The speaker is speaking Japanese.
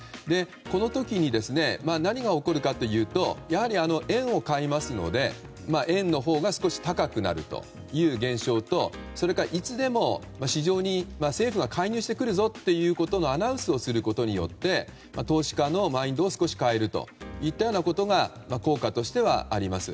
この時に何が起こるかというとやはり円を買いますので円のほうが少し高くなるという現象とそれから、いつでも市場に政府が介入してくるぞということのアナウンスをすることによって投資家のマインドを少し変えるといったようなことが効果としてはあります。